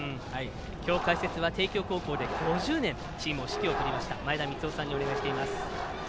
今日、解説は帝京高校で５０年チームの指揮を執りました前田三夫さんにお願いしています。